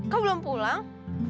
kau belum pulang